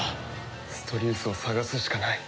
ストリウスを捜すしかない。